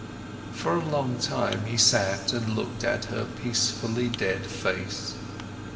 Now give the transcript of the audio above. For a long time, he sat and looked at her peacefully dead face.